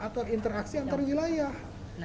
dan interaksi antar wilayah